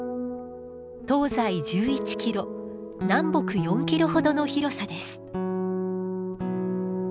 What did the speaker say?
東西１１キロ南北４キロほどの広さです。